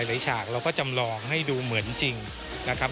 ฉากเราก็จำลองให้ดูเหมือนจริงนะครับ